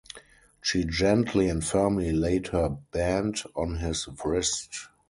She gently and firmly laid her band on his wrist.